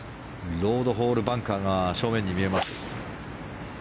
ロードホールバンカーが正面に見えます。